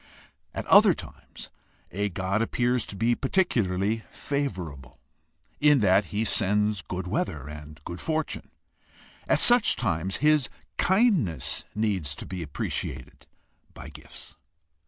At other times a god appears to be particularly favorable, in that he sends good weather and good fortune. At such times his kindness needs to be appre ciated by gifts.